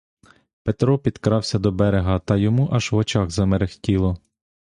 Петро підкрався до берега та йому аж в очах замерехтіло.